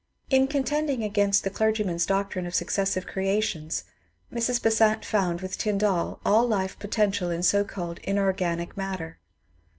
In contending against the cler gyman's doctrine of successive creations Mrs. Besant found, with Tyndall, all life potential in so called ^' inorganic " mat ter.